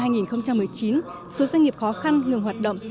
năm hai nghìn một mươi chín số doanh nghiệp khó khăn ngừng hoạt động